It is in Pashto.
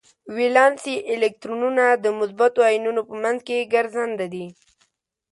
ولانسي الکترونونه د مثبتو ایونونو په منځ کې ګرځننده دي.